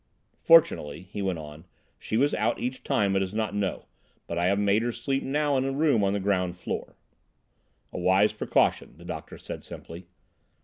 "Fortunately," he went on, "she was out each time and does not know. But I have made her sleep now in a room on the ground floor." "A wise precaution," the doctor said simply.